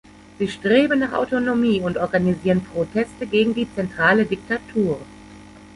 Sie streben nach Autonomie und organisieren Proteste gegen die zentrale Diktatur.